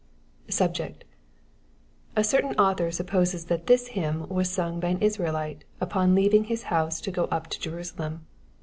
BtmntcT. — A certain author supposes that (his hymn was sung by an hraeiiie upon 2eov. ing his house to go up to Jerusalem.